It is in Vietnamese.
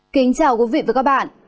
kính chào quý vị và các bạn